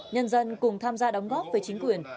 nhân dân cùng tham gia đóng góp với chính quyền